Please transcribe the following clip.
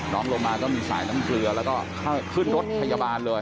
ลงมาก็มีสายน้ำเกลือแล้วก็ขึ้นรถพยาบาลเลย